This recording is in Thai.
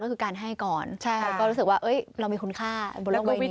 ก็คือการให้ก่อนใช่ค่ะก็รู้สึกว่าเอ้ยเรามีคุณค่าบนลงวิธี